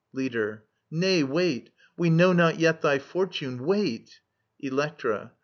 Leader. Nay, wait ! We know not yet thy fortime. Wait ! Electra.